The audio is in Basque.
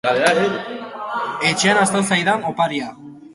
Etxean ahaztu zaidan oparia.